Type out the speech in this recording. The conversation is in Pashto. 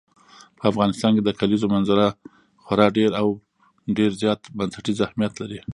په افغانستان کې د کلیزو منظره خورا ډېر او ډېر زیات بنسټیز اهمیت لري.